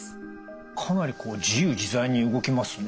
かなりこう自由自在に動きますね。